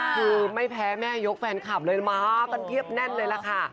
คือไม่แพ้แม่ยกแฟนคลับเลยมากันเพียบแน่นเลยล่ะค่ะ